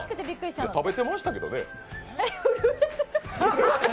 食べてましたけどね？